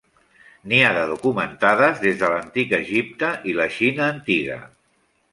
N'hi ha de documentades des de l'Antic Egipte i la Xina Antiga.